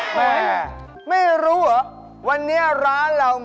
แม่ไม่รู้เหรอวันนี้ร้านเรามีปาร์ตี้